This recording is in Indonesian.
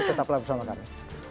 tetaplah bersama kami